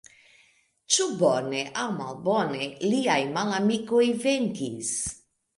Ĉu bone aŭ malbone, liaj malamikoj venkis.